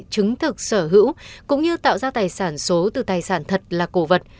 chứng thực sở hữu cũng như tạo ra tài sản số từ tài sản thật là cổ vật